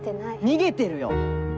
逃げてるよ！